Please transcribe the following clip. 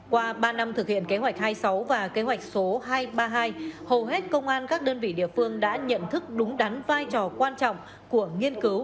qua ba năm thực hiện kế hoạch hai mươi sáu và kế hoạch số hai trăm ba mươi hai hầu hết công an các đơn vị địa phương đã nhận thức đúng đắn vai trò quan trọng của nghiên cứu